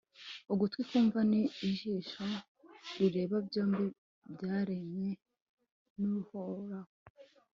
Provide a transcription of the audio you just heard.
ugutwi kumva n'ijisho rireba byombi byaremwe n'uhoraho